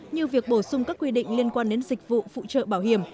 như việc bổ sung các quy định liên quan đến dịch vụ phụ trợ bảo hiểm